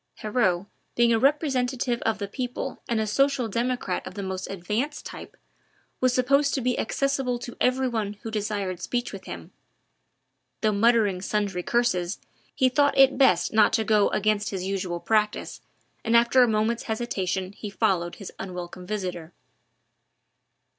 Heriot, being a representative of the people and a social democrat of the most advanced type, was supposed to be accessible to every one who desired speech with him. Though muttering sundry curses, he thought it best not to go against his usual practice, and after a moment's hesitation he followed his unwelcome visitor.